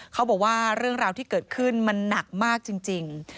เขาบอกว่าเรื่องราวที่เกิดขึ้นมันหนักมากจริง